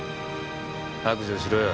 白状しろよ。